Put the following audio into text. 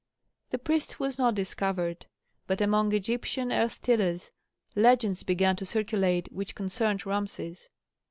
The priest was not discovered, but among Egyptian earth tillers legends began to circulate which concerned Rameses.